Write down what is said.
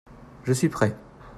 Je suis prêt.